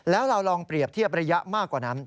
แล้วเราลองเปรียบเทียบระยะมากกว่านั้น